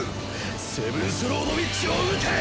セブンスロード・ウィッチを討て！